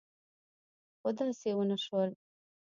خو داسې ونه شول.